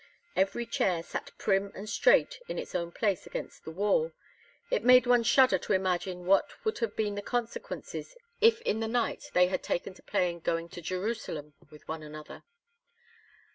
Every chair sat prim and straight in its own place against the wall; it made one shudder to imagine what would have been the consequences if in the night they had taken to playing "Going to Jerusalem" with one another.